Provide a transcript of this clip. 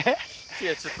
いやちょっと。